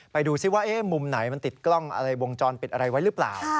ไปดูซิว่ามุมไหนมันติดกล้องอะไรวงจรปิดอะไรไว้หรือเปล่า